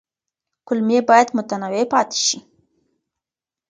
کولمې باید متنوع پاتې شي.